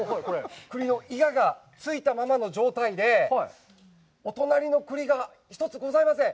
栗のいががついたままの状態で、お隣の栗がございません。